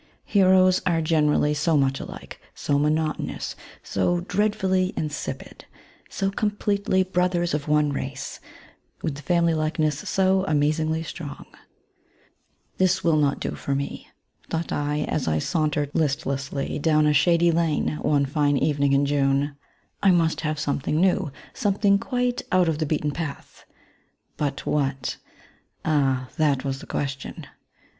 Heroes ttre generally so much alike, so monotonous, so dktedfully insipid — so completely brothers of cHie race, with the family likeness so amazingly strong ^" This will not do for me,^ thoughl'# as I sauntered listlessly down a shady lane, one fine evening in June; ^* I must have something new, something quite out of the beaten patbi — but what ?— «y, that was the question.